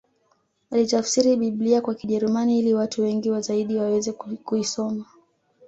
Alitafsiri Biblia kwa Kijerumani ili watu wengi zaidi waweze kuisoma